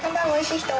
おいしい。